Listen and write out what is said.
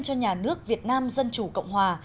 cho nhà nước việt nam dân chủ cộng hòa